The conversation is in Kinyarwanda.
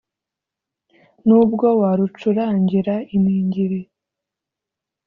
Nubwo warucurangira iningiri